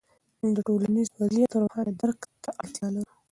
موږ د ټولنیز وضعیت روښانه درک ته اړتیا لرو.